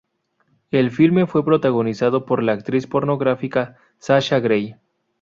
El filme fue protagonizado por la actriz pornográfica Sasha Grey.